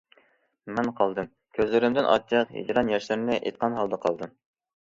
مەن قالدىم، كۆزلىرىمدىن ئاچچىق ھىجران ياشلىرىنى ئېقىتقان ھالدا قالدىم.